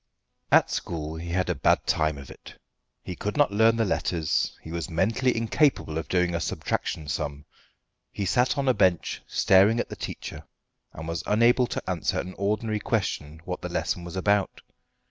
At school he had a bad time of it. He could not learn the letters. He was mentally incapable of doing a subtraction sum. He sat on a bench staring at the teacher, and was unable to answer an ordinary question what the lesson was about.